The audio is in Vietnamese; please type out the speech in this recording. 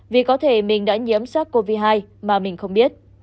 vì có thể mình đã nhiễm sát covid một mươi chín mà mình không biết